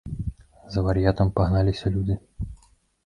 За вар'ятам пагналіся людзі.